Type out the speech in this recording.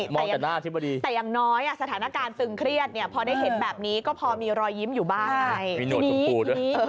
ไม่แต่อย่างน้อยสถานการณ์ตึงเครียดเนี่ยพอได้เห็นแบบนี้ก็พอมีรอยยิ้มอยู่บ้างทีนี้มีหนวดสมบูรณ์ด้วย